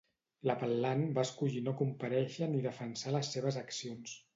L'apel·lant va escollir no comparèixer ni defensar les seves accions.